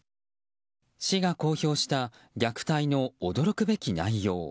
市が公表した虐待の驚くべき内容。